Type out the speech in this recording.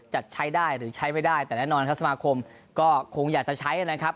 จะใช้ได้หรือใช้ไม่ได้แต่แน่นอนครับสมาคมก็คงอยากจะใช้นะครับ